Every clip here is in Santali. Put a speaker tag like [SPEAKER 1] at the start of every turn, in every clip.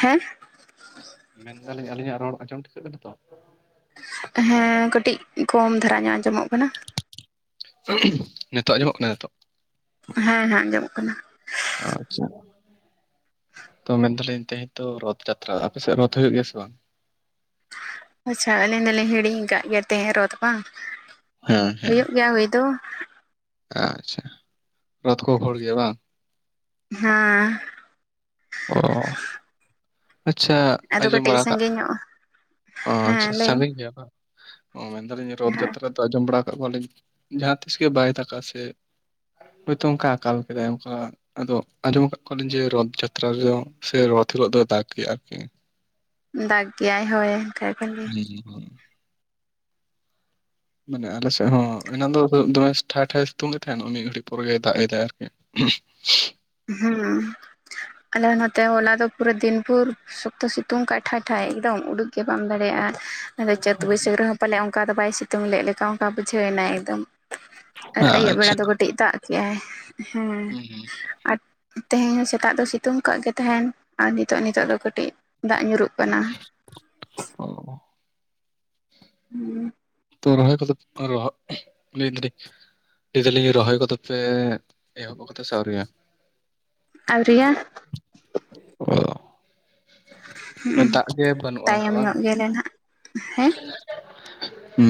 [SPEAKER 1] ᱦᱮᱸ
[SPEAKER 2] ᱢᱮᱱᱫᱟᱞᱤᱧ ᱟᱹᱞᱤᱧᱟᱜ ᱨᱚᱲ ᱟᱸᱡᱚᱢ ᱴᱷᱤᱠᱟᱹᱜ ᱠᱟᱱᱟ ᱛᱚ?
[SPEAKER 1] ᱦᱮᱸ ᱠᱟᱹᱴᱤᱡ ᱠᱚᱢ ᱫᱷᱟᱨᱟ ᱧᱚᱜ ᱟᱸᱡᱚᱢᱚᱜ ᱠᱟᱱᱟ᱾
[SPEAKER 2] ᱱᱤᱛᱚᱜ ᱟᱸᱡᱚᱢᱚᱜ ᱠᱟᱱᱟ ᱱᱤᱛᱚᱜ?
[SPEAKER 1] ᱦᱮᱸ ᱦᱮᱸ ᱟᱸᱡᱚᱢᱚᱜ ᱠᱟᱱᱟ᱾
[SPEAKER 2] ᱟᱪᱪᱷᱟ᱾ ᱛᱚ ᱢᱮᱱ ᱫᱟᱞᱤᱧ ᱛᱮᱦᱮᱧ ᱛᱚ ᱨᱚᱛᱷ ᱡᱟᱛᱨᱟ, ᱟᱯᱮ ᱥᱮᱫ ᱨᱚᱛᱷ ᱦᱩᱭᱩᱜ ᱜᱮᱭᱟ ᱥᱮ ᱵᱟᱝ?
[SPEAKER 1] ᱟᱪᱪᱷᱟ ᱟᱹᱞᱤᱧ ᱫᱚᱞᱤᱧ ᱦᱤᱲᱤᱧ ᱠᱟᱫ ᱜᱮᱭᱟ ᱛᱮᱦᱮᱧ ᱨᱚᱛᱷ ᱵᱟᱝ,
[SPEAKER 2] ᱦᱮᱸ ᱦᱮᱸ
[SPEAKER 1] ᱦᱩᱭᱩᱜ ᱜᱮᱭᱟ ᱦᱩᱭ ᱫᱚ᱾
[SPEAKER 2] ᱟᱪᱪᱷᱟ, ᱨᱚᱛᱷ ᱠᱚ ᱜᱚᱦᱚᱲ ᱜᱮᱭᱟ ᱵᱟᱝ?
[SPEAKER 1] ᱦᱟᱸ᱾
[SPEAKER 2] ᱚ᱾ ᱟᱪᱪᱷᱟ
[SPEAKER 1] ᱟᱫᱚ
[SPEAKER 2] ᱟᱸᱡᱚᱢ
[SPEAKER 1] ᱠᱟᱹᱴᱤᱡ
[SPEAKER 2] ᱵᱟᱲᱟ ᱠᱟᱜ,
[SPEAKER 1] ᱥᱟᱺᱜᱤᱧ ᱧᱚᱜ
[SPEAKER 2] ᱚ
[SPEAKER 1] ᱦᱮᱸ
[SPEAKER 2] ᱟᱪᱪᱷᱟ
[SPEAKER 1] ᱞᱟᱹᱭ ᱢᱮ
[SPEAKER 2] ᱥᱟᱺᱜᱤᱧ ᱜᱮᱭᱟ ᱵᱟᱝ? ᱚ ᱢᱮᱱᱫᱟᱞᱤᱧ ᱨᱚᱛᱷ
[SPEAKER 1] ᱦᱮᱸ
[SPEAKER 2] ᱡᱟᱛᱨᱟ ᱫᱚ ᱟᱸᱡᱚᱢ ᱵᱟᱲᱟ ᱠᱟᱜ ᱠᱚᱣᱟᱞᱤᱧ ᱡᱟᱦᱟᱸ ᱛᱤᱥ ᱜᱮ ᱵᱟᱭ ᱫᱟᱜᱟ ᱥᱮ ᱦᱳᱭᱛᱚ ᱚᱱᱠᱟ ᱟᱠᱟᱞ ᱠᱮᱫᱟᱭ ᱚᱱᱠᱟ ᱟᱫᱚ ᱟᱸᱡᱚᱢ ᱟᱠᱟᱜ ᱠᱚᱣᱟᱞᱤᱧ ᱡᱮ ᱨᱚᱛᱷ ᱡᱟᱛᱨᱟ ᱨᱮᱫᱚ ᱥᱮ ᱨᱚᱛᱷ ᱦᱤᱞᱳᱜ ᱫᱚᱭ ᱫᱟᱜ ᱜᱮᱭᱟ ᱟᱨᱠᱤ᱾
[SPEAKER 1] ᱫᱟᱜᱽ ᱜᱮᱭᱟᱭ ᱦᱳᱭ᱾ ᱠᱟᱱ ᱜᱮᱭᱟ
[SPEAKER 2] [inaudible] ᱢᱟᱱᱮ ᱟᱞᱮ ᱥᱮᱫ ᱦᱚᱸ ᱚᱱᱟᱱ ᱫᱚ ᱫᱚᱢᱮ ᱴᱷᱟᱭ ᱴᱷᱟᱭᱮ ᱥᱤᱛᱩᱝ ᱮᱫ ᱛᱟᱦᱮᱱ ᱟᱨ ᱢᱤᱫ ᱜᱷᱟᱹᱲᱤᱡ ᱯᱚᱨᱮ ᱜᱮᱭ ᱫᱟᱜ ᱮᱫᱟᱭ ᱟᱨᱠᱤ᱾ [inaudible]
[SPEAKER 1] ᱦᱩᱸ ᱟᱞᱮ ᱱᱚᱛᱮ ᱦᱚᱞᱟ ᱫᱚ ᱯᱩᱨᱟᱹ ᱫᱤᱱ ᱯᱷᱩᱨ ᱥᱚᱠᱛᱚ ᱥᱤᱛᱩᱝ ᱠᱟᱜ-ᱟᱭ ᱴᱷᱟᱭ ᱴᱷᱟᱭ ᱮᱠᱫᱚᱢ ᱩᱰᱩᱠ ᱜᱮ ᱵᱟᱢ ᱫᱟᱲᱮᱭᱟᱜᱼᱟ᱾ ᱟᱫᱚ ᱪᱟᱹᱛ ᱵᱟᱹᱭᱥᱟᱹᱠᱷ ᱨᱮᱦᱚᱸ ᱯᱟᱞᱮᱫ ᱚᱱᱠᱟ ᱫᱚ ᱵᱟᱭ ᱥᱤᱛᱩᱝ ᱞᱮᱫ ᱞᱮᱠᱟ ᱚᱱᱠᱟ ᱵᱩᱡᱷᱟᱹᱣᱱᱟ ᱮᱠᱫᱚᱢ᱾ ᱟᱨ ᱟᱹᱭᱩᱵ ᱵᱮᱲᱟ
[SPEAKER 2] ᱟᱪᱪᱷᱟ
[SPEAKER 1] ᱫᱚ ᱠᱟᱹᱴᱤᱡ ᱫᱟᱜ ᱠᱮᱜᱟᱭ ᱦᱮᱸ᱾
[SPEAKER 2] ᱦᱩᱸ ᱦᱩᱸ
[SPEAKER 1] ᱟᱨ ᱛᱮᱦᱮᱧ ᱦᱚᱸ ᱥᱮᱛᱟᱜ ᱫᱚ ᱥᱤᱛᱩᱝ ᱠᱟᱜ ᱜᱮ ᱛᱟᱦᱮᱱ ᱟᱨ ᱱᱤᱛᱚᱜ ᱱᱤᱛᱚᱜ ᱫᱚ ᱠᱟᱹᱴᱤᱡ ᱫᱟᱜ ᱧᱩᱨᱩᱜ ᱠᱟᱱᱟ᱾
[SPEAKER 2] ᱚ
[SPEAKER 1] ᱦᱩᱸ
[SPEAKER 2] ᱨᱚᱦᱚᱭ ᱠᱚᱫᱚ ᱯᱮ ᱨᱚᱦᱚᱜ ᱞᱟᱹᱭ ᱫᱟᱞᱤᱧ ᱞᱟᱹᱭ ᱫᱟᱞᱤᱧ ᱨᱚᱦᱚᱭ ᱠᱚᱫᱚ ᱯᱮ ᱮᱦᱚᱵ ᱠᱟᱫᱟ ᱥᱮ ᱟᱹᱣᱨᱤ‌ ᱦᱟᱜ
[SPEAKER 1] ᱟᱣᱨᱤᱭᱟᱜ-ᱟ᱾
[SPEAKER 2] ᱚ
[SPEAKER 1] ᱦᱩᱸ
[SPEAKER 2] ᱫᱟᱜ ᱜᱮ ᱵᱟᱹᱱᱩᱜᱼᱟ ᱚᱱᱠᱟ
[SPEAKER 1] ᱛᱟᱭᱚᱢ
[SPEAKER 2] ᱵᱟᱝ
[SPEAKER 1] ᱧᱚᱜ ᱜᱮᱭᱟᱞᱮ ᱱᱟᱦᱟᱜ ᱦᱮᱸ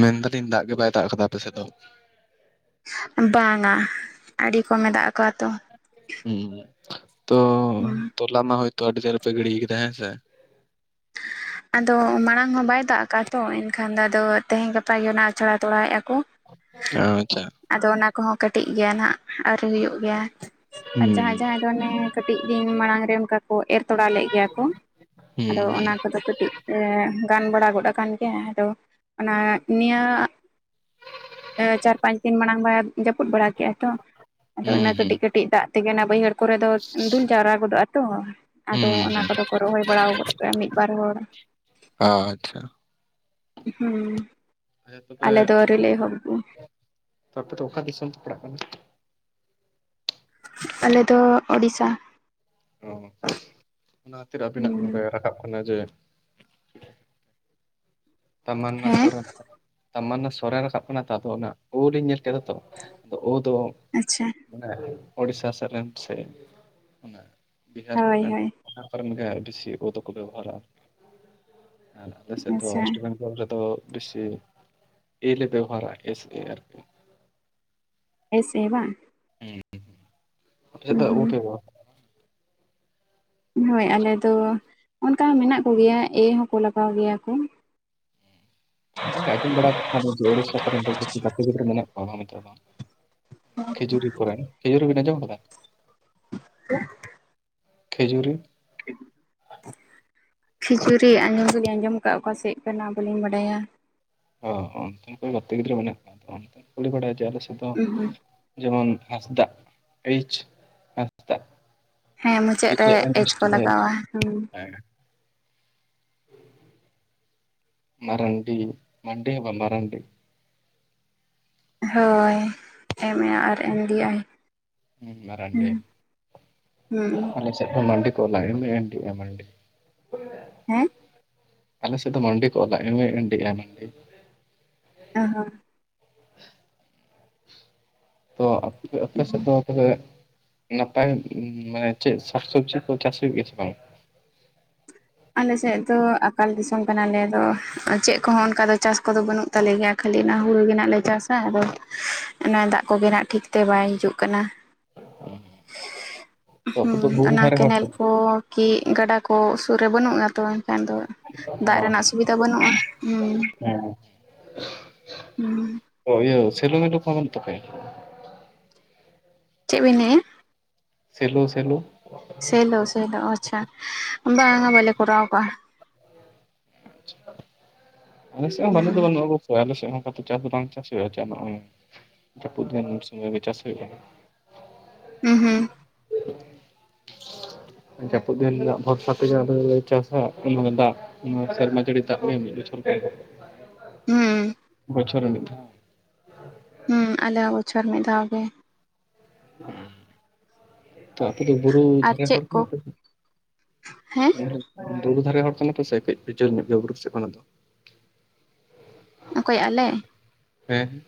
[SPEAKER 2] ᱢᱮᱱᱫᱟᱞᱤᱧ ᱫᱟᱜ ᱜᱮ ᱵᱟᱭ ᱫᱟᱜ ᱠᱟᱫᱟ ᱟᱯᱮ ᱥᱮᱫ ᱫᱚ᱾
[SPEAKER 1] ᱵᱟᱝᱟ ᱟᱹᱰᱤ ᱠᱚᱢᱮ ᱫᱟᱜ ᱠᱟᱫᱟᱛᱚ
[SPEAKER 2] ᱦᱩᱸ ᱛᱚ
[SPEAKER 1] ᱦᱩᱸ
[SPEAKER 2] ᱛᱚᱞᱟ ᱢᱟ ᱦᱚᱭᱛᱚ ᱟᱰᱤ ᱰᱷᱤᱨ ᱯᱮ ᱜᱤᱰᱤ ᱠᱟᱫᱟ ᱦᱮ ᱥᱮ
[SPEAKER 1] ᱟᱫᱚ ᱢᱟᱲᱟᱝ ᱢᱟ ᱵᱟᱭ ᱫᱟᱜ ᱟᱠᱟᱫᱼᱟ ᱛᱚ ᱮᱱᱠᱷᱟᱱ ᱫᱚ ᱟᱫᱚ ᱛᱮᱦᱤᱧ ᱜᱟᱯᱟ ᱜᱮ ᱚᱱᱟ ᱟᱪᱷᱟᱲᱟ ᱛᱚᱲᱟᱭᱮᱫᱼᱟ ᱠᱚ
[SPEAKER 2] ᱟᱪᱷᱟ
[SPEAKER 1] ᱟᱫᱚ ᱚᱱᱟ ᱠᱚᱦᱚᱸ ᱠᱟᱹᱴᱤᱡ ᱜᱮᱭᱟ ᱱᱟᱦᱟᱸᱜ ᱟᱹᱣᱨᱤ ᱦᱩᱭᱩᱜ ᱜᱮᱭᱟ ᱟᱨ
[SPEAKER 2] ᱦᱩᱸ
[SPEAKER 1] ᱡᱟᱦᱟᱸᱭ ᱡᱟᱦᱟᱸᱭ ᱫᱚ ᱚᱱᱮ ᱠᱟᱹᱴᱤᱡ ᱫᱤᱱ ᱢᱟᱲᱟᱝ ᱨᱮ ᱚᱱᱠᱟ ᱠᱚ ᱮᱨ ᱛᱚᱲᱟ ᱞᱮᱫ ᱜᱮᱭᱟ ᱠᱚ ᱟᱫᱚ
[SPEAKER 2] ᱦᱩᱸ
[SPEAKER 1] ᱚᱱᱟ ᱠᱚᱫᱚ ᱠᱟᱹᱴᱤ ᱤᱡ ᱜᱟᱱ ᱵᱟᱲᱟ ᱜᱚᱫ ᱟᱠᱟᱱ ᱜᱮᱭᱟ ᱟᱫᱚ ᱚᱱᱟ ᱱᱤᱭᱟᱹ ᱪᱟᱨ ᱯᱟᱸᱪ ᱫᱤᱱ ᱢᱟᱲᱟᱝ ᱵᱟᱭ ᱡᱟᱹᱯᱩᱫ ᱵᱟᱲᱟ ᱠᱮᱫᱼᱟ ᱛᱚ ᱟᱫᱚ
[SPEAKER 2] ᱦᱩᱸ
[SPEAKER 1] ᱚᱱᱟ
[SPEAKER 2] ᱦᱩᱸ
[SPEAKER 1] ᱠᱟᱹᱴᱤᱡ ᱠᱟᱹᱴᱤᱡ ᱫᱟᱜ ᱛᱮᱜᱮ ᱚᱱᱟ ᱵᱟᱹᱭᱦᱟᱹᱲ ᱠᱚᱨᱮ ᱫᱚ ᱫᱩᱞ ᱡᱟᱣᱨᱟ ᱜᱚᱫᱚᱜᱼᱟ ᱛᱚ
[SPEAKER 2] ᱦᱩᱸ
[SPEAKER 1] ᱟᱫᱚ ᱚᱱᱟ
[SPEAKER 2] ᱦᱩᱸ
[SPEAKER 1] ᱠᱚᱫᱚ ᱠᱚ ᱨᱚᱦᱚᱭ ᱵᱟᱲᱟ ᱜᱚᱫ ᱟᱠᱟᱫ ᱢᱤᱫ ᱵᱟᱨ ᱦᱚᱲ᱾
[SPEAKER 2] ᱚ ᱟᱪᱪᱷᱟ
[SPEAKER 1] [inaudible] ᱦᱩᱸ
[SPEAKER 2] ᱟᱪᱪᱷᱟ
[SPEAKER 1] [inaudible]
[SPEAKER 2] ᱛᱚᱵᱮ
[SPEAKER 1] ᱟᱞᱮ ᱫᱚ ᱟᱹᱣᱨᱤ ᱞᱮ ᱮᱦᱚᱵ ᱚᱜ ᱟ
[SPEAKER 2] ᱛ ᱟᱯᱮ ᱫᱚ ᱚᱠᱟ ᱫᱤᱥᱚᱢ ᱯᱮ ᱯᱟᱲᱟᱜ ᱠᱟᱱᱟ?
[SPEAKER 1] ᱟᱞᱮ ᱫᱚ ᱳᱲᱤᱥᱟ᱾
[SPEAKER 2] ᱚ ᱚᱱᱟ ᱠᱷᱟᱹᱛᱤᱨ ᱟᱹᱵᱤᱱᱟᱜ ᱢᱩ ᱨᱮ
[SPEAKER 1] ᱦᱩᱸ
[SPEAKER 2] ᱨᱟᱠᱟᱵ ᱠᱟᱱᱟ ᱡᱮ ᱛᱟᱢᱢᱟᱱᱟ
[SPEAKER 1] ᱦᱮᱸ
[SPEAKER 2] ᱥᱚᱨᱮᱱ᱾ ᱛᱟᱢᱟᱱᱟ ᱥᱚᱨᱮᱱ ᱨᱟᱠᱟᱵ ᱠᱟᱱᱟ ᱛᱚ ᱟᱫᱚ ᱚᱱᱟ ᱳ ᱞᱤᱧ ᱧᱮᱞ ᱠᱮᱫᱟ ᱛᱚ ᱟᱫᱚ ᱳ ᱫᱚ
[SPEAKER 1] ᱟᱪᱪᱷᱟ
[SPEAKER 2] ᱢᱟᱱᱮ ᱳᱲᱤᱥᱥᱟ ᱥᱮᱫ ᱨᱮᱱ ᱥᱮ ᱚᱱᱟ ᱵᱤᱦᱟᱨ
[SPEAKER 1] ᱦᱳᱭ
[SPEAKER 2] ᱠᱚᱨᱮᱱ
[SPEAKER 1] ᱦᱳᱭ
[SPEAKER 2] ᱚᱱᱟ ᱠᱚᱨᱮᱱ ᱜᱮ ᱵᱮᱥᱤ ᱳ ᱫᱚᱠᱚ ᱵᱮᱵᱚᱦᱟᱨᱟ ᱟᱨ ᱟᱞᱮ ᱥᱮᱫ ᱫᱚ
[SPEAKER 1] ᱟᱪᱪᱷᱟ
[SPEAKER 2] ᱛᱟ ᱯᱚᱨᱮ ᱫᱚ ᱵᱮᱥᱤ ᱮ ᱞᱮ ᱵᱮᱵᱚᱦᱟᱨᱟ ᱮᱥ ᱜᱮ ᱟᱨᱠᱤ
[SPEAKER 1] ᱮᱥ ᱮ ᱵᱟᱝ
[SPEAKER 2] ᱦᱮᱸ ᱟᱯᱮᱫᱚ ᱳ ᱯᱮ
[SPEAKER 1] ᱦᱳᱭ ᱟᱞᱮ ᱫᱚ ᱚᱱᱠᱟ ᱦᱚᱸ ᱢᱮᱱᱟᱜ ᱠᱚᱜᱮᱭᱟ ᱮ ᱦᱚᱸᱠᱚ ᱞᱟᱜᱟᱣ ᱜᱮᱭᱟ ᱠᱚ᱾
[SPEAKER 2] ᱚᱱᱠᱟ ᱟᱸᱡᱚᱢ ᱵᱟᱲᱟ ᱠᱟᱜ ᱠᱟᱣᱟ ᱞᱮ ᱡᱮ ᱩᱲᱤᱥᱥᱟ ᱠᱚ ᱨᱮᱱ ᱫᱚ ᱠᱤᱪᱷᱩ ᱜᱟᱛᱮ ᱜᱤᱫᱽᱨᱟᱹ ᱢᱮᱱᱟᱜ ᱠᱚᱣᱟ᱾ ᱠᱷᱤᱡᱩᱨᱤ ᱠᱚᱨᱮᱱ ᱠᱷᱤᱡᱩᱨᱤ ᱵᱤᱱ ᱟᱸᱡᱚᱢ ᱟᱠᱟᱫᱟ?
[SPEAKER 1] ᱦᱮ [unintelligible]
[SPEAKER 2] ᱠᱷᱤᱡᱩᱨᱤ?
[SPEAKER 1] [inaudible] ᱠᱷᱤᱡᱩᱨᱤ ᱟᱸᱡᱚᱢ ᱫᱚᱞᱤᱧ ᱟᱸᱡᱚᱢ ᱠᱟᱜᱼᱟ ᱚᱠᱟ ᱥᱮᱫ ᱠᱟᱱᱟ ᱵᱞᱤᱧ ᱵᱟᱰᱟᱭᱟ ᱾
[SPEAKER 2] ᱚ ᱚᱱᱛᱮ ᱠᱚ ᱜᱟᱛᱮ ᱜᱤᱫᱽᱨᱟᱹ ᱢᱮᱱᱟᱜ ᱠᱟᱜ ᱠᱚᱣᱟ ᱛᱚ ᱚᱱᱛᱮ ᱠᱩᱞᱤ ᱵᱟᱲᱟᱭᱟ ᱡᱮ ᱟᱞᱮ ᱥᱮᱫ ᱫᱚ ᱡᱮᱢᱚᱱ ᱦᱟᱸᱥᱫᱟᱜ ᱮᱭᱤᱪ ᱦᱟᱸᱥᱫᱟ
[SPEAKER 1] ᱦᱮᱸ ᱢᱩᱪᱟᱹᱫ ᱨᱮ ᱮᱡ ᱠᱚ ᱞᱟᱜᱟᱣᱟ ᱦᱩᱸ
[SPEAKER 2] [inaudible] ᱢᱟᱨᱟᱝᱰᱤ ᱢᱟᱱᱰᱤ ᱦᱚᱸ ᱵᱟᱝ ᱢᱟᱨᱝᱱᱰᱤ ᱾
[SPEAKER 1] ᱦᱳᱭ ᱮᱢ ᱮ ᱟᱨ ᱮᱢ ᱰᱤ ᱟᱭ,
[SPEAKER 2] ᱢᱟᱨᱟᱝᱰᱤ,
[SPEAKER 1] ᱦᱩᱸ ᱦᱩᱸ
[SPEAKER 2] ᱢᱟᱱᱰᱤ ᱠᱚ ᱞᱟ ᱮᱢ ᱮ ᱮᱱ ᱰᱤ ᱟᱭ ᱢᱟᱱᱰᱤ
[SPEAKER 1] ᱦᱮᱸᱻ
[SPEAKER 2] ᱟᱞᱮ ᱥ ᱫᱚ ᱢᱟᱱᱰᱤ ᱠᱚ ᱚᱞᱟ ᱮᱢ ᱮ ᱮᱱ ᱰᱤ ᱟᱭ,
[SPEAKER 1] ᱚᱻ ᱦᱚᱸ,
[SPEAKER 2] ᱛᱚ ᱟᱯᱮ ᱥᱮᱫ ᱫᱚ ᱛᱟᱦᱚᱞᱮ ᱱᱟᱯᱟᱭ ᱢᱟᱱᱮ ᱪᱮᱫ ᱥᱟᱠ ᱥᱚᱵᱽᱡᱤ ᱠᱚ ᱪᱟᱥ ᱦᱩᱭᱩᱜ ᱜᱮᱭᱟ ᱥᱮ ᱵᱟᱝ?
[SPEAKER 1] ᱟᱞᱮ ᱥᱮᱫ ᱫᱚ ᱟᱠᱟᱞ ᱫᱤᱥᱚᱢ ᱠᱟᱱᱟᱞᱮ ᱟᱫᱚ ᱪᱮᱫ ᱠᱚ ᱦᱚᱸ ᱚᱱᱠᱟ ᱫᱚ ᱪᱟᱥ ᱠᱚᱫᱚ ᱵᱟᱹᱱᱩᱜ ᱛᱟᱞᱮ ᱭᱟ ᱠᱷᱟᱹᱞᱤ ᱚᱱᱟ ᱦᱩᱲᱩ ᱜᱮ ᱱᱟᱜ ᱞᱮ ᱪᱟᱥᱟ ᱟᱫᱚ ᱚᱱᱟ ᱫᱟᱜ ᱠᱚ ᱢᱮᱱᱟᱜ ᱠᱷᱤᱛᱤᱨ ᱛᱮ ᱵᱟᱭ ᱦᱤᱡᱩᱜ ᱠᱟᱱᱟ ᱾
[SPEAKER 2] ᱛᱚ ᱟᱯᱮ ᱫᱚ
[SPEAKER 1] ᱦᱩᱸ,
[SPEAKER 2] ᱵᱩᱨᱩ
[SPEAKER 1] ᱚᱱᱟ
[SPEAKER 2] ᱫᱷᱟᱨᱮ ᱦᱚᱲ ᱛᱚ
[SPEAKER 1] ᱠᱮᱱᱮᱞ ᱠᱳ ᱠᱤ ᱜᱟᱰᱟ ᱠᱚ ᱥᱩᱨ ᱨᱮ ᱵᱟᱹᱱᱩᱜᱼᱟ ᱟᱨ ᱛᱚ ᱮᱱᱠᱷᱟᱱ ᱫᱚ ᱫᱟᱜ ᱨᱮᱱᱟᱜ ᱥᱩᱵᱤᱫᱟ ᱵᱟᱹᱱᱩᱜᱼᱟ᱾
[SPEAKER 2] ᱦᱩᱸ,
[SPEAKER 1] ᱦᱩᱸ,
[SPEAKER 2] ᱚ ᱤᱭᱟᱹ ᱥᱮᱞᱳ ᱢᱮᱞᱳ ᱠᱚ ᱵᱟᱹᱱᱩᱜ ᱛᱟᱯᱮᱭᱟ?
[SPEAKER 1] ᱪᱮᱜ ᱵᱤᱱ ᱢᱮᱱᱮᱭᱟ,
[SPEAKER 2] ᱥᱮᱞᱳ ᱥᱮᱞᱳ,
[SPEAKER 1] ᱥᱮᱞᱳ ᱥᱮᱞᱳ ᱟᱪᱪᱷᱟ, ᱵᱟᱝᱟ ᱵᱟᱞᱮ ᱠᱚᱨᱟᱣ ᱠᱟᱜᱼᱟ ᱾
[SPEAKER 2] ᱟᱞᱮ ᱥᱮᱜ ᱦᱚᱸ ᱵᱟᱹᱱᱩᱜ
[SPEAKER 1] ᱦᱩᱸ
[SPEAKER 2] ᱫᱚ ᱵᱟᱹᱱᱩᱜ-ᱟ, ᱥᱳᱭ ᱟᱞᱮ ᱥᱮᱜ ᱦᱚᱸ ᱚᱝᱠᱟ ᱛᱚ ᱪᱟᱥ ᱫᱚ ᱵᱟᱝ ᱪᱟᱥ ᱦᱳᱭᱳᱜᱼᱟ, ᱪᱮᱫ ᱦᱚᱸ ᱡᱟᱹᱯᱩᱫ ᱫᱤᱱ ᱩᱱ ᱥᱩᱢᱟᱹᱭ ᱜᱮ ᱪᱟᱥ ᱦᱳᱭᱳᱜ-ᱟ,
[SPEAKER 1] ᱦᱩᱸ ᱦᱩᱸ,
[SPEAKER 2] ᱡᱟᱹᱯᱩᱫ ᱫᱤᱱ ᱨᱮᱱᱟᱜ ᱵᱷᱚᱨᱥᱟ ᱛᱮ ᱜᱮ ᱟᱞᱮ ᱫᱚ ᱞᱮ ᱪᱟᱥᱟ, ᱚᱱᱟᱜᱮ ᱫᱟᱜ ᱥᱮᱨᱢᱟ ᱡᱟᱹᱲᱤ ᱫᱟᱜ ᱜᱮ ᱢᱤᱫ ᱵᱚᱪᱷᱚᱨ,
[SPEAKER 1] ᱦᱩᱸᱻ,
[SPEAKER 2] ᱵᱚᱪᱷᱚᱨ ᱨᱮ ᱢᱤᱫ ᱫᱷᱟᱣ,
[SPEAKER 1] ᱦᱩᱸ, ᱟᱞᱮ ᱦᱚᱸ ᱵᱚᱪᱷᱚᱨ ᱢᱤᱫ ᱫᱷᱟᱣ ᱜᱮ ᱾
[SPEAKER 2] [unintelligible] ᱟᱯᱮ ᱫᱚ ᱵᱩᱨᱩ
[SPEAKER 1] ᱟᱨ
[SPEAKER 2] ᱫᱷᱟᱨᱮ
[SPEAKER 1] ᱪᱮᱫ
[SPEAKER 2] ᱦᱚᱲ
[SPEAKER 1] ᱠᱚ
[SPEAKER 2] ᱠᱟᱱᱟ ᱯᱮ?
[SPEAKER 1] ᱦᱮᱸ
[SPEAKER 2] ᱵᱩᱨᱩ ᱫᱷᱟᱨᱮ ᱦᱚᱲ ᱠᱟᱱᱟ ᱯᱮ ᱥᱮ ᱠᱟᱹᱡ ᱯᱮ ᱡᱷᱟᱹᱠ ᱧᱚᱜ ᱜᱮᱭᱟ ᱵᱩᱨᱩ ᱠᱚᱥᱮᱜ ᱠᱷᱟᱱᱟᱜ ᱫᱚ?
[SPEAKER 1] ᱚᱠᱚᱭ ᱟᱞᱮ?
[SPEAKER 2] ᱦᱮᱸ,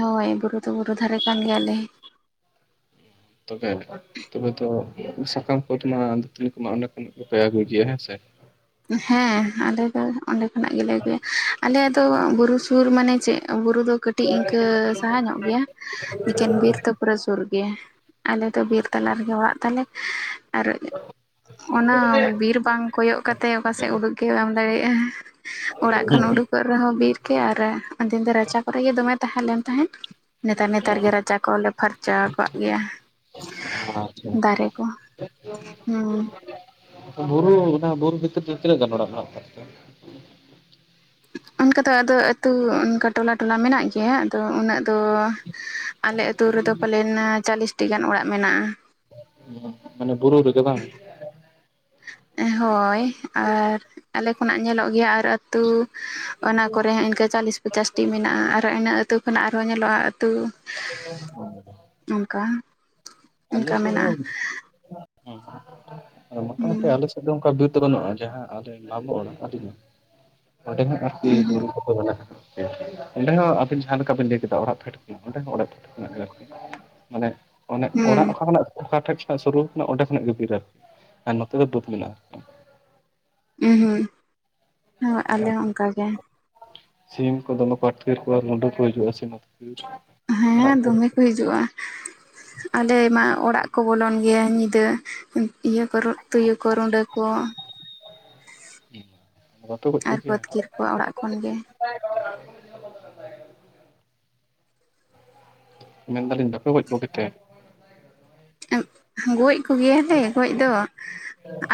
[SPEAKER 1] ᱦᱳᱭ ᱵᱩᱨᱩ ᱫᱚ ᱵᱩᱨᱩ ᱫᱷᱟᱨᱮ ᱠᱟᱱ ᱜᱮᱭᱟ ᱞᱮ ᱾
[SPEAKER 2] ᱛᱚᱵᱮ ᱛᱚᱵᱮ ᱛᱚ ᱥᱟᱠᱟᱢ ᱠᱚᱫᱚ ᱢᱟ ᱫᱟᱹᱛᱟᱹᱱᱤ ᱠᱚᱢᱟ ᱚᱸᱰᱮ ᱠᱷᱚᱱᱟᱜ ᱜᱮ ᱯᱮ ᱟᱹᱜᱩᱭ ᱜᱮᱭᱟ ᱦᱮᱸᱥᱮ?
[SPEAKER 1] ᱦᱮᱸ ᱟᱞᱮ ᱫᱚ ᱚᱸᱰᱮ ᱠᱷᱚᱱᱟᱜ ᱜᱮ ᱞᱮ ᱟᱹᱜᱩᱭᱟ ᱟᱞᱮ ᱫᱚ ᱵᱩᱨᱩ ᱥᱩᱨ ᱢᱟᱱᱮ ᱪᱮᱜ ᱵᱩᱨᱩ ᱫᱚ ᱠᱟᱹᱴᱤᱡ ᱤᱝᱠᱟᱹ ᱥᱟᱦᱟ ᱧᱚᱜ ᱜᱮᱭᱟ, ᱤᱠᱷᱮᱱ ᱵᱤᱨ ᱛᱚ ᱯᱩᱨᱟᱹ ᱥᱩᱨ ᱜᱮᱭᱟ ᱾ ᱟᱞᱮ ᱫᱚ ᱵᱤᱨ ᱛᱟᱞᱟ ᱨᱮ ᱜᱮ ᱚᱲᱟᱜ ᱛᱟᱞᱮ ᱟᱨ ᱚᱱᱟ ᱵᱤᱨ ᱵᱟᱝ ᱠᱚᱭᱚᱜ ᱠᱟᱛᱮ ᱚᱠᱟ ᱥᱮᱜ ᱩᱰᱩᱠ ᱜᱮ ᱵᱟᱢ ᱫᱟᱲᱮᱭᱟᱜᱼᱟ, ᱚᱲᱟᱜ ᱠᱷᱚᱱ ᱩᱰᱩᱠ ᱚᱲᱟᱜ ᱨᱮᱦᱚᱸ ᱵᱤᱨ ᱠᱮ ᱟᱨ ᱩᱱᱫᱤᱱ ᱫᱚ ᱨᱟᱪᱟ ᱠᱚᱨᱮ ᱜᱮ ᱫᱚᱢᱮ ᱛᱟᱦᱮᱸ ᱞᱮᱱ ᱛᱟᱦᱮᱸᱫ ᱾ ᱱᱮᱛᱟᱨ ᱱᱮᱛᱟᱨ ᱜᱮ ᱨᱟᱪᱟ ᱠᱚ ᱦᱚᱸᱞᱮ ᱯᱷᱟᱨᱪᱟ ᱟᱠᱟᱜ ᱜᱮᱭᱟ, ᱫᱟᱨᱮ
[SPEAKER 2] ᱟᱪᱪᱷᱟ
[SPEAKER 1] ᱠᱚ ᱦᱩᱸ
[SPEAKER 2] [inaudible] ᱵᱩᱨᱩ ᱚᱱᱟ ᱵᱩᱨᱩ ᱵᱷᱤᱛᱤᱨ ᱨᱮᱫᱚ ᱛᱤᱱᱟᱹᱜ ᱜᱟᱱ ᱚᱲᱟᱜ ᱢᱮᱱᱟᱜ
[SPEAKER 1] ᱚᱱᱠᱟ ᱫᱚ ᱟᱫᱚ ᱟᱹᱛᱩ ᱚᱱᱠᱟ ᱴᱚᱞᱟ ᱴᱚᱞᱟ ᱢᱮᱱᱟᱜ ᱜᱮᱭᱟ, ᱟᱫᱚ ᱩᱱᱟᱹᱜ ᱫᱚ ᱟᱞᱮ ᱟᱹᱛᱩ ᱨᱮᱫᱚ ᱯᱟᱞᱮᱱᱻ ᱪᱟᱞᱤᱥᱴᱤ ᱜᱟᱱ ᱚᱲᱟᱜ ᱢᱮᱱᱟᱜ-ᱟ᱾
[SPEAKER 2] ᱢᱟᱱᱮ ᱵᱩᱨᱩ ᱨᱮ ᱜᱮ ᱵᱟᱝ?
[SPEAKER 1] ᱦᱳᱭ ᱟᱨ ᱟᱞᱮ ᱠᱷᱚᱱᱟᱜ ᱧᱮᱞᱚᱜ ᱜᱮᱭᱟ ᱟ ᱮᱴᱟᱜ ᱟᱹᱛᱩ, ᱚᱱᱟ ᱠᱚᱨᱮ ᱦᱚᱸ ᱤᱱᱠᱟᱹ ᱪᱟᱞᱤᱥ ᱯᱚᱪᱟᱥᱴᱤ ᱢᱮᱱᱟᱜ-ᱟ ᱟᱨ ᱤᱱᱟᱹ ᱟᱹᱛᱩ ᱠᱷᱚᱱᱟᱜ ᱟᱨᱦᱚᱸ ᱧᱮᱞᱚᱜ-ᱟ ᱟᱹᱛᱩ᱾
[SPEAKER 2] [inaudible]
[SPEAKER 1] ᱚᱱᱠᱟ᱾
[SPEAKER 2] ᱟᱞᱮ
[SPEAKER 1] ᱚᱱᱠᱟ
[SPEAKER 2] ᱥᱮᱜ ᱦᱚᱸ
[SPEAKER 1] ᱢᱮᱱᱟᱜᱼᱟ ᱦᱩᱸ
[SPEAKER 2] ᱢᱚᱴᱟᱢᱩᱴᱤ ᱟᱞᱮ ᱫᱚ ᱚᱝᱠᱟ ᱵᱤᱨ ᱫᱚ ᱵᱟᱹᱱᱩᱜ-ᱟ ᱡᱟᱦᱟᱸ ᱟᱞᱮ ᱢᱟᱢᱚ ᱚᱲᱟᱜ ᱟᱹᱰᱤ ᱜᱟᱱ ᱚᱸᱰᱮ ᱦᱟᱸᱜ ᱟᱨᱠᱤ
[SPEAKER 1] ᱦᱩᱸ
[SPEAKER 2] ᱵᱩᱨᱩ ᱠᱚ᱾ ᱠᱚ ᱢᱮᱱᱟᱜ-ᱟ [unintelligible] ᱚᱸᱰᱮ ᱦᱚᱸ ᱟᱹᱵᱤᱱ ᱡᱟᱦᱟᱸ ᱞᱮᱠᱟ ᱵᱤᱱ ᱞᱮᱭ ᱠᱮᱫᱟ ᱚᱲᱟᱜ ᱯᱷᱮᱰ ᱠᱷᱚᱱ ᱚᱸᱰᱮ ᱦᱚᱸ ᱚᱲᱟᱜ ᱯᱷᱮᱰ ᱠᱷᱚᱱᱟᱜ ᱜᱮ ᱟᱨᱠᱤ ᱢᱟᱱᱮ ᱚᱱᱮ
[SPEAKER 1] ᱦᱩᱸ
[SPEAKER 2] ᱚᱲᱟᱜ ᱚᱠᱟ ᱠᱷᱚᱱᱟᱜ ᱚᱠᱟᱴᱷᱮᱡ ᱠᱷᱳᱱᱟᱜ ᱥᱩᱨᱩ ᱠᱟᱱᱟ ᱚᱸᱰᱮ ᱠᱷᱚᱱᱟᱜ ᱜᱮ ᱵᱤᱨ ᱟᱹᱨᱠᱤ ᱟᱨ ᱱᱚᱛᱮ ᱫᱚ ᱵᱟᱹᱫᱽ ᱢᱮᱱᱟᱜ-ᱟ᱾
[SPEAKER 1] ᱩ ᱦᱩᱸ ᱦᱳᱭ ᱟᱞᱮ
[SPEAKER 2] ᱟᱨᱠᱤ᱾
[SPEAKER 1] ᱦᱚᱸ ᱚᱱᱠᱟ ᱜᱮ᱾
[SPEAKER 2] ᱥᱤᱢ ᱠᱚ ᱫᱚᱢᱮ ᱠᱚ ᱟᱴᱠᱤᱨ ᱠᱚᱣᱟ ᱨᱩᱸᱰᱟ ᱠᱚ ᱦᱤᱡᱩᱜ-ᱟ ᱥᱤᱢ ᱟᱫᱽᱠᱤᱨ᱾
[SPEAKER 1] ᱦᱮᱸ ᱫᱚᱢᱮ ᱠᱚ ᱦᱤᱡᱩᱜ-ᱟ, ᱟᱞᱮ ᱢᱟ ᱚᱲᱟᱜ ᱠᱚ ᱵᱚᱞᱚᱱ ᱜᱮᱭᱟ ᱧᱤᱫᱟᱹ᱾ ᱤᱭᱟᱹ ᱠᱚ ᱨᱩᱜ ᱛᱩᱭᱩ ᱠᱚ ᱨᱩᱸᱰᱟᱹ ᱠᱚ᱾
[SPEAKER 2] ᱵᱟᱯᱮ ᱜᱚᱡ
[SPEAKER 1] ᱟᱨ ᱠᱚ
[SPEAKER 2] ᱠᱚᱜᱮᱭᱟ
[SPEAKER 1] ᱟᱹᱛᱠᱤᱨ ᱠᱚᱣᱟ ᱚᱲᱟᱜ ᱠᱷᱚᱱ ᱜᱮ᱾
[SPEAKER 2] ᱢᱮᱱ ᱫᱟᱹᱞᱤᱧ ᱵᱟᱯᱮ ᱜᱚᱡ ᱠᱚ ᱜᱮ ᱛᱮ?
[SPEAKER 1] ᱮ ᱜᱚᱡ ᱠᱚᱜᱮᱭᱟᱞᱮ ᱜᱚᱡ ᱫᱚ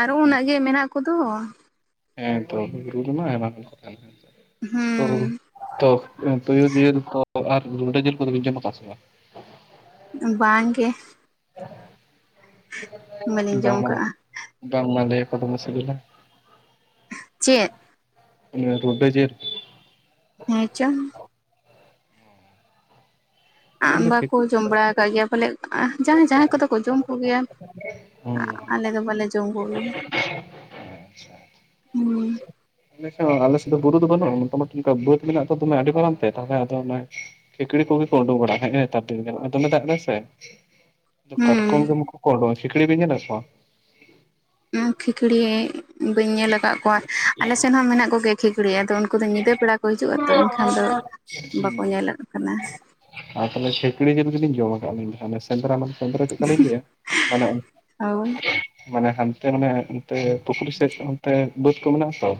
[SPEAKER 1] ᱟᱨᱚ ᱩᱱᱟᱹᱜ ᱜᱮ ᱢᱮᱱᱟᱜ ᱠᱚᱫᱚ᱾
[SPEAKER 2] ᱦᱮᱸ ᱛᱚ ᱵᱤᱨ ᱵᱩᱨᱩ ᱟᱭᱢᱟ ᱠᱚ ᱠᱚ [inaudible] ᱛᱚᱻ,
[SPEAKER 1] ᱦᱩᱸ
[SPEAKER 2] ᱛᱚ ᱛᱩᱭᱩ ᱡᱮᱞ ᱠᱚ ᱟᱨ ᱨᱩᱰᱟᱹ ᱡᱮᱞ ᱠᱚ ᱫᱚ ᱵᱤᱱ ᱡᱚᱢ ᱟᱠᱟᱫ ᱟᱥᱮ ᱵᱟᱝ᱾
[SPEAKER 1] ᱵᱟᱝ ᱜᱮ᱾ ᱵᱟᱹᱞᱤᱧ ᱡᱚᱢ
[SPEAKER 2] ᱵᱟᱝ ᱵᱟᱝ [inaudible] ᱵᱟᱝ
[SPEAKER 1] ᱠᱟᱜᱼᱟ
[SPEAKER 2] ᱵᱟᱝ ᱞᱟᱹᱭᱟᱠᱚ ᱫᱚᱢᱮ ᱥᱤᱵᱤᱞᱟ᱾
[SPEAKER 1] ᱪᱮᱫ,
[SPEAKER 2] ᱩ ᱨᱩᱰᱟᱹ ᱡᱮᱞ᱾
[SPEAKER 1] ᱦᱮᱸ ᱪᱚ,
[SPEAKER 2] ᱟᱹᱞᱤᱧ ᱫᱚ ᱪᱮᱫ
[SPEAKER 1] ᱵᱟᱠᱚ ᱡᱚᱢ ᱵᱟᱲᱟ ᱠᱟᱜ ᱜᱮᱭᱟ ᱯᱟᱞᱮ ᱟ ᱡᱟᱦᱟᱸᱭ ᱡᱟᱦᱟᱸᱭ ᱠᱚ ᱫᱚ ᱠᱚ ᱡᱚᱢ ᱠᱚᱜᱮᱭᱟ᱾
[SPEAKER 2] ᱦᱩᱸ
[SPEAKER 1] ᱟᱞᱮ ᱫᱚ ᱵᱟᱞᱮ ᱡᱚᱢ ᱠᱚᱜᱮ ᱦᱩᱸ᱾
[SPEAKER 2] ᱟᱞᱮ ᱥᱮᱫ ᱦᱚᱸ ᱟᱞᱮᱥᱮᱫ ᱫᱚ ᱵᱩᱨᱩ ᱫᱚ ᱵᱟᱹᱱᱩᱜ-ᱟ ᱢᱚᱴᱟᱢᱩᱴᱤ ᱚᱱᱠᱟ ᱵᱟᱹᱫᱽ ᱢᱮᱱᱟᱜ ᱫᱚ ᱫᱚᱢᱮ ᱟᱹᱰᱤ ᱢᱟᱨᱟᱨᱟᱝ ᱛᱮ ᱛᱟᱦᱚᱸᱞᱮ ᱟᱫᱚ ᱚᱱᱮ ᱠᱷᱮᱤᱠᱲᱤ ᱠᱚᱜᱮ ᱠᱚ ᱩᱰᱟᱹᱜ ᱵᱟᱲᱟ ᱠᱷᱟᱡ ᱦᱮᱸ ᱛᱟᱨ ᱫᱤᱱ ᱫᱚᱢᱮ ᱫᱟᱜ ᱮᱫᱟᱭ ᱥᱮ᱾ ᱫᱚ ᱠᱚᱴᱠᱚᱢ ᱫᱚ ᱢᱩᱠᱩ ᱠᱚ ᱳᱰᱳᱝ ᱠᱷᱤᱠᱚᱲᱤ ᱵᱤᱱ ᱧᱮᱞ ᱟᱠᱟᱫ ᱠᱚᱣᱟ?
[SPEAKER 1] ᱠᱷᱤᱠᱚᱲᱤ ᱵᱟᱹᱧ ᱧᱮᱞ ᱟᱠᱟᱫ ᱠᱚᱣᱟ᱾ ᱟᱞᱮ ᱥᱮᱫ ᱦᱚᱸ ᱢᱮᱱᱟᱜ ᱠᱚ ᱜᱮᱭᱟ ᱠᱷᱤᱠᱚᱲᱤ ᱟᱫᱚ ᱩᱱᱠᱩ ᱫᱚ ᱧᱤᱫᱟᱹ ᱵᱮᱲᱟ ᱠᱚ ᱦᱤᱡᱩᱜ-ᱟ ᱛᱚ ᱮᱱᱠᱷᱟᱱ ᱫᱚ ᱵᱟᱠᱚ ᱧᱮᱞᱮᱫ ᱠᱟᱱᱟ᱾
[SPEAKER 2] ᱟᱨ ᱛᱟᱦᱚᱸᱞᱮ ᱠᱷᱤᱠᱚᱲᱤ ᱡᱤᱞ ᱜᱮᱞᱤᱧ ᱡᱚᱢ ᱟᱠᱟᱫ-ᱟ ᱢᱮᱱ ᱥᱮᱸᱫᱽᱨᱟ ᱢᱟᱱᱮ ᱥᱮᱸᱫᱽᱨᱟ ᱪᱮᱫ ᱞᱮᱠᱟ ᱞᱤᱧ ᱞᱟᱹᱭᱟ ᱢᱟᱱᱮ
[SPEAKER 1] ᱦᱳᱭ
[SPEAKER 2] ᱢᱟᱱᱮ ᱦᱟᱸᱱᱛᱮ ᱢᱟᱱᱮ ᱚᱱᱛᱮ ᱯᱩᱠᱷᱨᱤ ᱥᱮᱫ ᱚᱱᱛᱮ ᱵᱟᱹᱫᱽ ᱠᱚ ᱢᱮᱱᱟᱜ ᱟᱛᱚ᱾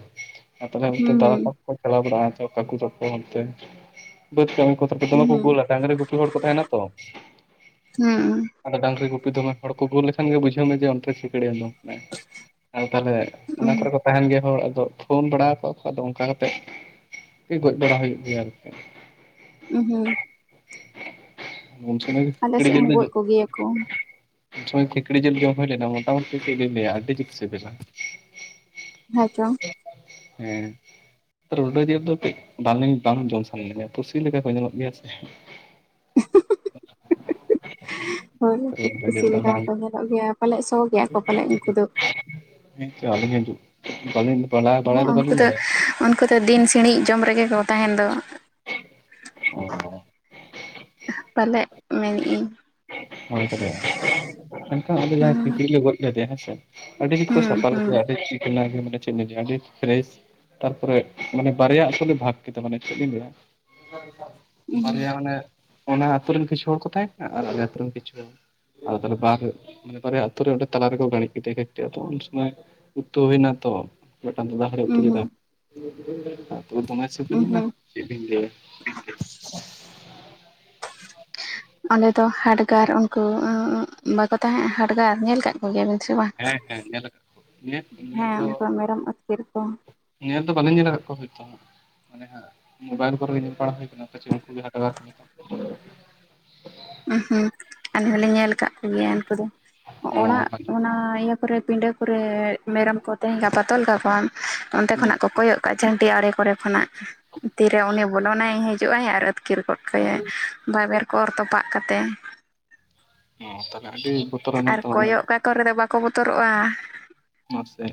[SPEAKER 2] ᱟᱨ ᱛᱟᱦᱚᱸᱞᱮ ᱚᱱᱛᱮ
[SPEAKER 1] ᱦᱩᱸ
[SPEAKER 2] ᱫᱟᱫᱟ ᱛᱟᱠᱚ ᱪᱟᱞᱟᱣ ᱵᱟᱲᱟᱜ-ᱟᱚ ᱠᱟᱠᱩ ᱛᱠᱚ ᱚᱱᱛᱮ [unintelligible]
[SPEAKER 1] ᱦᱩᱸ
[SPEAKER 2] ᱰᱟᱹᱝᱨᱤ ᱜᱩᱯᱤ ᱦᱚᱲ ᱠᱚ ᱛᱟᱦᱮᱸᱱᱟ ᱛᱚ᱾
[SPEAKER 1] ᱦᱩᱸ
[SPEAKER 2] ᱟᱫᱚ ᱰᱟᱹᱝᱨᱤ ᱜᱩᱯᱤ ᱫᱚ ᱢᱮ ᱦᱚᱲ ᱠᱚ ᱜᱳᱞ ᱞᱮᱠᱷᱟᱱ ᱜᱮ ᱵᱩᱡᱷᱟᱹᱣ ᱢᱮ ᱡᱮ ᱚᱱᱛᱮ ᱠᱷᱤᱠᱚᱲᱤ ᱩᱰᱩᱝ ᱠᱟᱱᱟᱭ ᱟᱨ ᱛᱟᱦᱚᱸᱞᱮ ᱾
[SPEAKER 1] ᱦᱩᱸ
[SPEAKER 2] ᱚᱱᱟ ᱠᱚᱨᱮ ᱠᱚ ᱛᱟᱦᱮᱸᱱ ᱜᱮᱭᱟ ᱦᱚᱲ ᱟᱫᱚ ᱯᱷᱳᱱ ᱵᱟᱲᱟᱣᱟ ᱠᱚᱣᱟ ᱠᱚ ᱟᱫᱚ ᱚᱱᱠᱟ ᱠᱟᱛᱮᱜ ᱜᱚᱡ ᱵᱟᱲᱟ ᱦᱩᱭᱩᱜ ᱜᱮᱭᱟ ᱟᱨᱠᱤ᱾
[SPEAKER 1] ᱩ ᱦᱩᱸ
[SPEAKER 2] [unintelligible] [inaudible]
[SPEAKER 1] ᱟᱞᱮ ᱥᱮᱫ ᱦᱚᱸ ᱜᱚᱡ ᱠᱚᱜᱮᱭᱟᱠᱚ
[SPEAKER 2] ᱛᱚᱭ ᱠᱷᱸᱤᱠᱲᱤ ᱡᱮᱞ ᱡᱚᱢ ᱦᱩᱭ ᱞᱮᱱᱟ ᱴᱟᱴᱟ ᱢᱩᱴᱤ ᱪᱮᱫ ᱞᱤᱧ ᱞᱟᱹᱭ-ᱟ ᱟᱹᱰᱤ ᱡᱩᱛ ᱥᱮᱜᱮᱞ ᱟ᱾
[SPEAKER 1] ᱦᱮ ᱪᱚ᱾
[SPEAKER 2] ᱦᱮᱸᱻᱻ ᱨᱩᱰᱟᱹ ᱡᱮᱞ ᱫᱚ ᱠᱟᱹᱡ ᱵᱟᱝ ᱞᱤᱧ ᱵᱟᱝ ᱡᱚᱢ ᱥᱟᱱᱟ ᱞᱤᱧᱟ ᱯᱩᱥᱤ ᱞᱮᱠᱟ ᱠᱚ ᱧᱮᱞᱚᱜ ᱜᱮᱭᱟ ᱥᱮ, [unintelligible]
[SPEAKER 1] ᱦᱳᱭ ᱩᱱᱠᱩ
[SPEAKER 2] ᱨᱩᱰᱟᱹ
[SPEAKER 1] ᱯᱩᱥᱤ
[SPEAKER 2] ᱡᱤᱞ ᱫᱚ
[SPEAKER 1] ᱞᱮᱠᱟ
[SPEAKER 2] ᱵᱟᱝ
[SPEAKER 1] ᱦᱚᱸᱠᱚ ᱧᱮᱞᱚᱜ ᱜᱮᱭᱟ ᱯᱟᱞᱮᱫ ᱥᱚ ᱜᱮᱭᱟ ᱠᱚ ᱯᱟᱞᱮᱫ ᱩᱱᱠᱩ ᱫᱚ?
[SPEAKER 2] ᱟᱞᱤᱧ ᱦᱚᱸ ᱠᱟᱢᱤ ᱠᱚ ᱪᱟᱵᱟ ᱦᱟᱛᱟᱣᱟ
[SPEAKER 1] ᱦᱮᱸ ᱩᱱᱠᱩ
[SPEAKER 2] ᱠᱮᱫᱟᱞᱤᱧ
[SPEAKER 1] ᱫᱚ
[SPEAKER 2] ᱵᱚᱞᱮ
[SPEAKER 1] ᱩᱱᱠᱩ ᱛᱚ ᱫᱤᱱ ᱥᱤᱬᱤᱡ ᱡᱚᱢ ᱨᱮᱜᱮ ᱠᱚ ᱛᱟᱦᱮᱱ ᱫᱚ
[SPEAKER 2] ᱚ
[SPEAKER 1] ᱯᱟᱞᱮᱜ ᱢᱮᱱᱮᱫ ᱤᱫᱤᱧ
[SPEAKER 2] ᱦᱳᱭ ᱛᱚᱵᱮ ᱮᱱᱠᱷᱟᱱ ᱟᱞᱮ ᱡᱟᱦᱟᱸᱭ
[SPEAKER 1] ᱦᱩᱸ
[SPEAKER 2] ᱠᱷᱤᱠᱲᱤ ᱞᱮ ᱜᱚᱫ ᱞᱮᱫᱮ ᱦᱮᱸ ᱥᱮ ᱟᱹᱰᱤ ᱠᱚ
[SPEAKER 1] ᱦᱩᱸ
[SPEAKER 2] ᱥᱟᱯᱷᱟ
[SPEAKER 1] ᱦᱩᱸ
[SPEAKER 2] ᱞᱮᱮᱭᱟ ᱟᱹᱰᱤ ᱪᱤᱠᱟᱹ ᱜᱮ ᱢᱟᱱᱮ ᱪᱤᱱ ᱟᱹᱰᱤ ᱯᱷᱨᱮᱥ ᱛᱟᱨᱯᱚᱨᱮ ᱢᱟᱱᱮ ᱵᱟᱨᱭᱟ ᱟᱥᱚᱞᱮ ᱵᱷᱟᱜᱽ ᱠᱮᱫᱟ ᱢᱟᱱᱮ ᱪᱮᱫ ᱞᱤᱧ ᱞᱟᱹᱭᱟ?
[SPEAKER 1] ᱩᱸᱦᱩᱸ
[SPEAKER 2] ᱵᱟᱨᱭᱟ ᱢᱟᱱᱮ ᱚᱱᱟ ᱟᱹᱛᱩᱨ ᱨᱮᱱ ᱠᱤᱪᱷᱩ ᱦᱚᱲ ᱠᱚ ᱛᱟᱦᱮᱸᱱᱟ ᱟᱨ ᱟᱞᱮ ᱟᱛᱩᱨ ᱨᱮᱱ ᱠᱤᱪᱷᱩ ᱦᱚᱲ ᱠᱚ ᱟᱫᱚ ᱛᱚᱞᱮ ᱯᱟᱠ ᱢᱟᱱᱮ ᱵᱟᱨᱭᱟ ᱟᱛᱳ ᱨᱮ ᱚᱸᱰᱮ ᱛᱟᱞᱟ ᱨᱮᱠᱚ ᱜᱲᱤᱡ ᱠᱮᱫᱮ ᱠᱭᱟᱚ ᱩᱱ ᱥᱚᱢᱚᱭ ᱩᱛᱩ ᱦᱩᱭᱱᱟ ᱛᱚ ᱢᱤᱫᱴᱟᱝ ᱫᱟ-ᱫᱟ ᱦᱟᱲ ᱮ ᱩᱛᱩ ᱞᱮᱫᱟ
[SPEAKER 1] ᱩᱸᱦᱩᱸ
[SPEAKER 2] ᱫᱚᱢᱮ ᱥᱤᱵᱤᱞ ᱞᱮᱱᱟ
[SPEAKER 1] ᱩᱸᱦᱩᱸ
[SPEAKER 2] ᱪᱮᱫ ᱵᱮᱧ ᱞᱟᱹᱭᱟ
[SPEAKER 1] ᱚᱸᱰᱮ ᱫᱚ ᱦᱟᱰᱜᱟᱨ ᱩᱱᱠᱩ ᱵᱟᱠᱚ ᱛᱟᱦᱮᱸ-ᱟ ᱦᱟᱰᱜᱟᱨ ᱧᱮᱞ ᱠᱟᱜ ᱵᱷᱭᱟᱵᱤᱱ ᱥᱮ ᱵᱟᱝ
[SPEAKER 2] ᱦᱮᱸ ᱦᱮᱸ ᱧᱮᱞ ᱟᱠᱟᱫ ᱠᱚ ᱧᱮᱞ ᱧᱮᱞ
[SPEAKER 1] ᱦᱮᱸ
[SPEAKER 2] ᱫᱚ
[SPEAKER 1] ᱩᱱᱠᱩ ᱢᱮᱨᱚᱢ ᱟᱹᱛᱠᱤᱨ ᱠᱚ'
[SPEAKER 2] ᱧᱮᱞ ᱫᱚ ᱵᱟᱹᱞᱤᱧ ᱧᱮᱞ ᱟᱠᱟᱫ ᱠᱚᱣᱟ ᱦᱳᱭᱛᱳ ᱦᱟᱸᱜ ᱢᱟᱱᱮ ᱦᱟᱜ ᱢᱳᱵᱟᱭᱤᱞ ᱠᱚᱨᱮ ᱜᱮ ᱧᱮᱞ ᱵᱟᱲᱟ ᱦᱩᱭ ᱟᱠᱟᱱᱟ ᱪᱲᱤ ᱠᱚᱜ ᱦᱟ
[SPEAKER 1] ᱩᱦ ᱦᱩᱸ ᱟᱞᱮ ᱦᱚᱸᱞᱮ ᱧᱮᱞ ᱟᱠᱟᱫ ᱠᱚᱜᱮᱭᱟ ᱩᱱᱠᱩ ᱫᱚ
[SPEAKER 2] ᱚ
[SPEAKER 1] ᱾ ᱚᱲᱟᱜ ᱚᱱᱟ ᱤᱭᱟᱹ ᱛᱟᱨᱯᱚᱨᱮ ᱯᱤᱸᱰᱟᱹ ᱠᱚᱨᱮ ᱢᱮᱨᱚᱢ ᱠᱚ ᱛᱟᱦᱮᱸ ᱠᱟ ᱯᱟ ᱛᱚᱞ ᱠᱟᱠᱚᱣᱟ ᱚᱱᱛᱮ
[SPEAKER 2] ᱚ
[SPEAKER 1] ᱠᱷᱚᱱᱟᱜ ᱠᱚ ᱠᱚᱭᱚᱜ ᱠᱟᱜ-ᱟ ᱡᱷᱟᱹᱱᱴᱤ ᱟᱲᱮ ᱠᱚᱨᱮ ᱠᱷᱚᱱᱟᱜ ᱛᱤᱨᱮ ᱩᱱᱤ ᱵᱚᱞᱚᱱᱟᱭ ᱦᱤᱡᱩᱜ-ᱟᱭ ᱟᱨ ᱟᱹᱛᱠᱤᱨ ᱜᱚᱫ ᱠᱟᱭ ᱵᱟᱭᱵᱮᱨ ᱠᱚᱨ ᱚᱨ ᱛᱚᱯᱟᱜ ᱠᱟᱛᱮᱫ
[SPEAKER 2] ᱚ ᱛᱚᱵᱮ ᱟᱹᱰᱤ ᱵᱚᱨ
[SPEAKER 1] ᱟᱨ ᱠᱚᱭᱚᱜ ᱠᱟᱠᱚ ᱨᱮᱫᱚ ᱵᱟᱠᱚ ᱵᱚᱛᱚᱨᱚᱜ-ᱟ
[SPEAKER 2] ᱢᱟᱥᱮ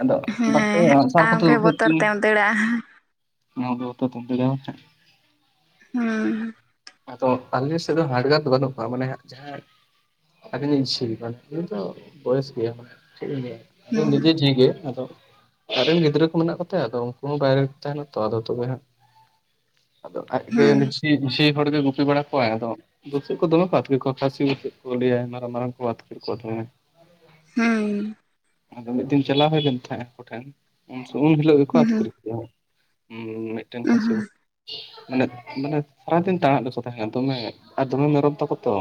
[SPEAKER 2] ᱟᱫᱚ ᱵᱟᱯᱮ ᱟᱸᱜ ᱥᱟᱨ ᱠᱚᱛᱮ
[SPEAKER 1] ᱟᱢᱜᱮ
[SPEAKER 2] ᱵᱟᱞᱮ
[SPEAKER 1] ᱵᱚᱛᱚᱨ
[SPEAKER 2] ᱛᱩᱧ
[SPEAKER 1] ᱛᱮᱢ ᱫᱟᱹᱲᱟ
[SPEAKER 2] [inaudible]
[SPEAKER 1] ᱦᱩᱸᱻᱻ
[SPEAKER 2] ᱟᱫᱚ ᱟᱞᱮ ᱥᱮᱫ ᱫᱚ ᱦᱟᱰᱜᱟᱨ ᱠᱚ ᱵᱟᱹᱱᱩᱜ ᱠᱚᱣᱟ ᱢᱟᱱᱮ ᱦᱟᱜ ᱡᱟᱦᱟᱸ ᱟᱵᱤᱱ ᱨᱮᱱ ᱪᱷᱤ ᱞᱮᱠᱟ ᱠᱤᱱᱛᱩ ᱵᱚᱭᱮᱥ ᱜᱮᱭᱟᱭ ᱪᱮᱫ ᱞᱤᱧ ᱞᱟᱹᱭ ᱟ ᱥᱮᱢ
[SPEAKER 1] ᱦᱩᱸ
[SPEAKER 2] ᱱᱤᱡᱮ ᱫᱚ ᱟᱫᱚ ᱟᱡᱨᱮᱱ ᱜᱤᱫᱽᱨᱟᱹ ᱠᱚ ᱢᱮᱱᱟᱜ ᱠᱚᱛᱟ ᱟᱫᱚ ᱩᱱᱠᱩ ᱦᱚᱸ ᱵᱟᱭᱨᱮ ᱨᱮ ᱛᱟᱦᱮᱱᱟ ᱛᱚ ᱟᱫᱚ ᱦᱳᱭᱳᱜ ᱫᱚ ᱦᱟᱜ ᱟᱫᱚ
[SPEAKER 1] ᱦᱩᱸ
[SPEAKER 2] ᱵᱤᱥ ᱦᱚᱲ ᱜᱮ ᱜᱩᱯᱤ ᱵᱟᱲᱟ ᱠᱚᱣᱟᱭ ᱟᱫᱚ ᱵᱩᱥᱚᱜ ᱠᱚ ᱫᱚᱢᱮ ᱠᱚ ᱟᱛᱠᱤᱨ ᱠᱚᱣᱟ ᱠᱷᱟᱥᱤᱲ ᱪᱮᱫ ᱠᱮ ᱞᱟᱹᱭ ᱢᱟᱨᱟᱢ ᱢᱟᱨᱟᱝ ᱠᱚ ᱟᱛᱠᱤᱨ ᱠᱚ ᱛᱟᱦᱮᱫ
[SPEAKER 1] ᱦᱮᱸᱻᱻ
[SPEAKER 2] ᱟᱫᱚ ᱢᱤᱫ ᱫᱤᱱ ᱪᱟᱞᱟᱣ ᱦᱳᱭ ᱞᱮᱱ ᱛᱟᱦᱮᱸᱫ ᱟᱠᱚ ᱴᱷᱮᱱ ᱩᱱ ᱦᱤᱞᱳᱜ ᱜᱮᱠᱚ
[SPEAKER 1] ᱦᱩᱸ
[SPEAKER 2] ᱟᱹᱛᱠᱟᱹᱨ ᱠᱮᱫᱮᱭᱟ᱾ ᱦᱩᱸ ᱢᱤᱫᱴᱮᱱ
[SPEAKER 1] ᱦᱩᱸ
[SPEAKER 2] ᱠᱟᱹᱥᱤ
[SPEAKER 1] ᱦᱩᱸ
[SPEAKER 2] ᱢᱟᱱᱮ ᱢᱟᱱᱮ ᱠᱷᱟᱨᱟᱯ ᱮᱢ [inaudible] [inaudible] ᱫᱚᱢᱮ ᱟᱨ ᱫᱚᱢᱮ ᱢᱮᱨᱚᱢ ᱛᱟᱠᱚ ᱛᱚ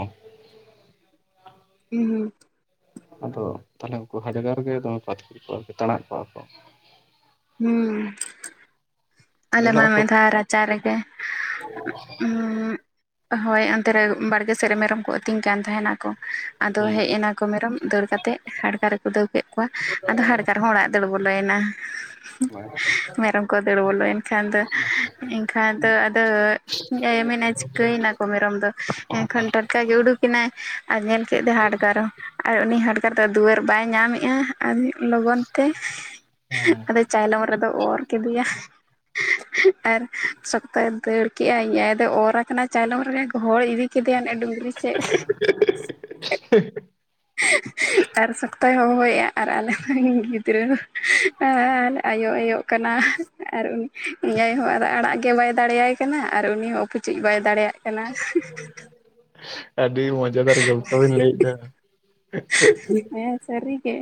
[SPEAKER 1] ᱦᱩᱸ ᱦᱩᱸᱻ
[SPEAKER 2] ᱟᱫᱚ ᱛᱟᱦᱚᱞᱮ ᱩᱱᱠᱩ ᱦᱟᱰᱜᱟᱨ ᱜᱮ ᱫᱚᱢᱮ ᱠᱚ ᱟᱹᱛᱠᱨᱤ ᱠᱚᱣᱟ ᱟᱨᱠᱤ ᱛᱟᱬᱟᱜ ᱠᱚᱜ-ᱟ ᱠᱚ᱾
[SPEAKER 1] ᱦᱩᱸ
[SPEAKER 2] ᱧᱮᱞᱚᱜ
[SPEAKER 1] ᱟᱞᱮᱢᱟ
[SPEAKER 2] ᱟᱠᱚ
[SPEAKER 1] ᱢᱤᱫ ᱫᱷᱟᱣ ᱨᱟᱪᱟ ᱨᱮᱜᱮ ᱦᱳᱭ ᱚᱱᱛᱮ ᱨᱮ ᱵᱟᱲᱜᱮ ᱥᱮᱫ ᱨᱮ ᱢᱮᱨᱚᱢ ᱠᱚ ᱟᱹᱛᱤᱧ ᱠᱟᱱ ᱛᱟᱦᱮ ᱱᱟᱠᱚ ᱟᱫᱚ
[SPEAKER 2] ᱦᱩᱸ
[SPEAKER 1] ᱦᱮᱡ ᱮᱱᱟᱠᱚ ᱢᱮᱨᱚᱢ ᱫᱟᱹᱲ ᱠᱟᱛᱮ ᱦᱟᱰᱜᱟᱨ ᱮ ᱠᱷᱩᱫᱟᱹᱣ ᱠᱮᱫ ᱠᱚᱣᱟ ᱟᱫᱚ ᱦᱟᱰᱠᱟᱨ ᱦᱚᱸ ᱚᱲᱟᱜ ᱨᱮ ᱫᱟᱹᱲ ᱵᱚᱞᱚᱭᱮᱱᱟ ᱢᱮᱨᱚᱢ ᱠᱚ ᱫᱟᱹᱲ ᱵᱚᱞᱚᱭ ᱮᱱ ᱮᱱ ᱠᱷᱟᱱ ᱫᱚ ᱮᱱ ᱠᱷᱟᱱ ᱫᱚ ᱟᱫᱚ ᱤᱧ ᱟᱭᱚ ᱢᱮᱱ ᱟᱭ ᱪᱤᱠᱟᱹᱭ ᱮᱱᱟ ᱢᱮᱨᱚᱢ ᱫᱚ ᱮᱱᱠᱷᱚᱱ ᱴᱟᱴᱠᱟ ᱜᱮ ᱩᱰᱩᱠᱮᱱᱟᱭ ᱟᱨ ᱧᱮᱞ ᱠᱮᱫ ᱫᱚ ᱦᱟᱴᱜᱟᱨ᱾ ᱟᱨ ᱩᱱᱤ ᱦᱟᱰᱜᱟᱨ ᱫᱚ ᱫᱩᱣᱟᱹᱨ ᱵᱟᱭ ᱧᱟᱢᱮᱜ-ᱟ ᱟᱹᱰᱤ ᱞᱚᱜᱚᱱ ᱛᱮ
[SPEAKER 2] ᱦᱮᱸ
[SPEAKER 1] ᱟᱫᱚ ᱪᱟᱭᱞᱚᱢ ᱨᱮᱫᱚ ᱚᱨ ᱠᱮᱫᱮᱭᱟ ᱟᱨ ᱥᱚᱠᱛᱚᱭᱮ ᱫᱟᱹᱲ ᱠᱮᱜᱼᱟᱭ ᱤᱧ ᱟᱭᱚ ᱫᱚᱭ ᱚᱨ ᱟᱠᱟᱱᱟ ᱪᱟᱭᱞᱚᱢ ᱨᱮᱜᱮ ᱜᱚᱦᱚᱲ ᱤᱫᱤ ᱠᱮᱫᱮᱭᱟ ᱰᱩᱝᱨᱤ ᱥᱮᱫ᱾ ᱟᱨ ᱥᱚᱠᱛᱟᱭ ᱦᱚᱦᱚᱭᱮᱜ ᱟ ᱟᱨ ᱟᱞᱮ ᱨᱮᱱ ᱜᱤᱫᱽᱨᱟᱹ ᱟᱭᱳ ᱟᱭᱳ ᱠᱟᱱᱟ ᱟᱨ ᱩᱱᱤ ᱤᱧ ᱟᱭᱳ ᱦᱚᱸ ᱟᱫᱚ ᱟᱲᱟᱜ ᱜᱮ ᱵᱟᱭ ᱫᱟᱲᱮᱭᱟᱭ ᱠᱟᱱᱟ ᱟᱨ ᱩᱱᱤ ᱦᱚᱸ ᱯᱩᱪᱩᱡ ᱵᱟᱭ ᱫᱟᱲᱮᱭᱟᱜ ᱠᱟᱱᱟ᱾
[SPEAKER 2] ᱟᱹᱰᱤ ᱢᱚᱡᱟᱫᱟᱨᱤ ᱜᱚᱞᱯᱚ ᱵᱤᱱ ᱞᱟᱹᱭ ᱮᱫ ᱫᱚ᱾ [unintelligible]
[SPEAKER 1] ᱦᱮ ᱥᱟᱹᱨᱤ ᱜᱮ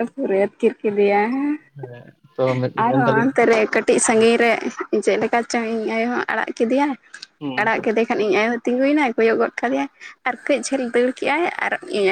[SPEAKER 1] ᱟᱨ ᱯᱩᱨᱟᱹᱭ ᱟᱫᱠᱤᱨ ᱠᱮᱫᱤᱭᱟ
[SPEAKER 2] ᱦᱮᱸ ᱛᱚ
[SPEAKER 1] ᱟᱨ ᱦᱚᱸ
[SPEAKER 2] ᱢᱮᱱᱫᱟᱞᱤᱧ
[SPEAKER 1] ᱟᱱᱛᱮ ᱨᱮᱭ ᱠᱟᱴᱤ ᱠᱟᱹᱴᱤᱡ ᱥᱟᱺᱜᱤᱧ ᱨᱮ ᱪᱮᱫ ᱞᱮᱠᱟ ᱪᱚᱝ ᱤᱧ ᱟᱭᱳ ᱦᱚᱸ ᱟᱲᱟᱜ ᱠᱮᱫᱮᱭᱟᱭ
[SPEAKER 2] ᱦᱩᱸ
[SPEAKER 1] ᱟᱲᱟᱜ ᱠᱮᱫᱮ ᱮᱱᱠᱷᱟᱱ ᱤᱧ ᱟᱭᱳ ᱦᱚᱭ ᱛᱤᱸᱜᱩᱭ ᱮᱱᱟᱭ ᱠᱚᱭᱚᱜ ᱜᱚᱫ ᱠᱮᱫᱮᱟᱭ ᱟᱨ ᱠᱟᱹᱡ ᱡᱷᱟᱹᱞ ᱫᱟᱹᱲ ᱠᱮᱜ ᱟᱭ ᱟᱨ ᱤᱧ ᱟᱭᱳ